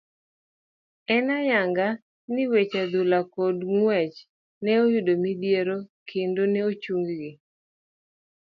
En ayanga ni weche adhula kod ngwech ne oyudo midhiero kendo ne ochung' gi.